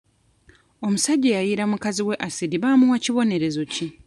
Omusajja eyayiira mukazi we asidi baamuwa kibonerezo ki?